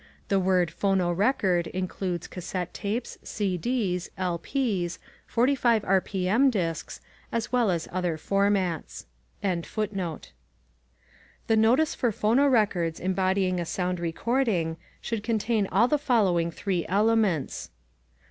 The word "phonorecord" includes cassette tapes, CDs, LPs, 45 r. p. m. disks, as well as other formats. The notice for phonorecords embodying a sound recording should contain all the following three elements: 1.